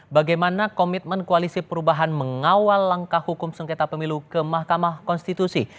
bagaimana komitmen koalisi perubahan mengawal langkah hukum sengketa pemilu ke mahkamah konstitusi